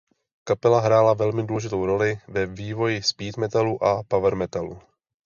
Kapela hrála velmi důležitou roli ve vývoji speed metalu a power metalu.